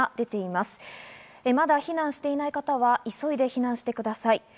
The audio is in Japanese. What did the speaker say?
まだ避難していない方は急いで避難してください。